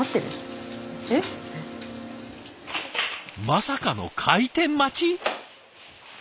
まさかの開店待ち？